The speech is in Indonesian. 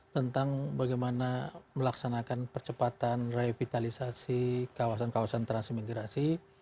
tentang bagaimana melaksanakan percepatan revitalisasi kawasan kawasan transmigrasi